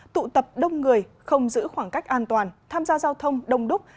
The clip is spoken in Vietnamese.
tụ tập đông người không giữ khoảng cách an toàn tham gia giao thông đông đúc